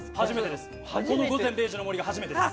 初めてです。